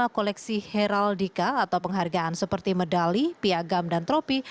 enam puluh lima koleksi heraldika atau penghargaan seperti medali piagam dan tropi